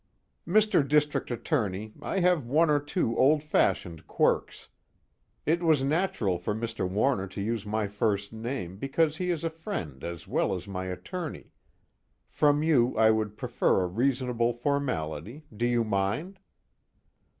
"Mr. District Attorney, I have one or two old fashioned quirks. It was natural for Mr. Warner to use my first name because he is a friend as well as my attorney. From you I would prefer a reasonable formality, do you mind?"